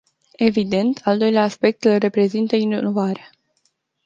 Evident, al doilea aspect îl reprezintă inovarea.